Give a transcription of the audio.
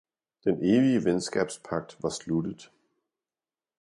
Den evige venskabspagt var sluttet.